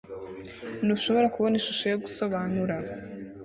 Ntushobora kubona ishusho yo gusobanura